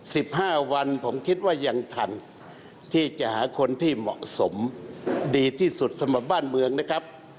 สิบห้าวันผมคิดว่ายังทันที่จะหาคนที่เหมาะสมดีที่สุดสำหรับบ้านเมืองนะครับ